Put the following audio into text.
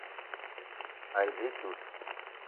Ànji dud